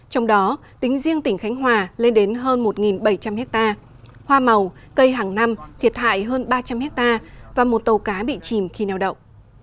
trong đó tính riêng tỉnh khánh hòa lên đến hơn một bảy trăm linh hectare hoa màu cây hàng năm thiệt hại hơn ba trăm linh hectare và một tàu cá bị chìm khi nèo đậu